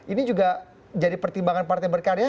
ini juga jadi pertimbangan partai berkarya